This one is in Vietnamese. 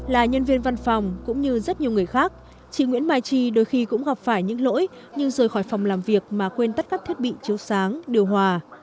là nhân viên văn phòng cũng như rất nhiều người khác chị nguyễn mai tri đôi khi cũng gặp phải những lỗi nhưng rời khỏi phòng làm việc mà quên tắt các thiết bị chiếu sáng điều hòa